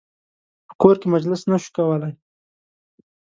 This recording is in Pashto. په کور کې مجلس نه شو کولای.